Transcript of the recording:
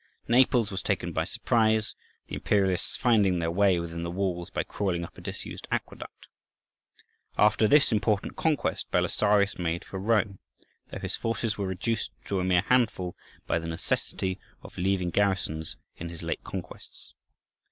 Naples was taken by surprise, the Imperialists finding their way within the walls by crawling up a disused aqueduct. After this important conquest, Belisarius made for Rome, though his forces were reduced to a mere handful by the necessity of leaving garrisons in his late conquests.